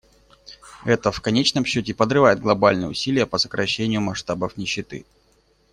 Это, в конечном счете, подрывает глобальные усилия по сокращению масштабов нищеты.